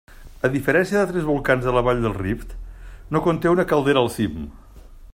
A diferència d'altres volcans de la vall del Rift, no conté una caldera al cim.